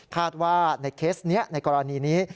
คาดว่าในเคสนี้ในกรณีนี้